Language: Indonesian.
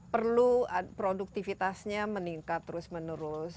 perlu produktivitas nya meningkat terus menerus